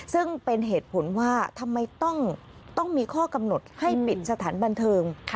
ซึ่งเป็นเหตุผลว่าทำไมต้องมีข้อกำหนดให้ปิดสถานบันเทิง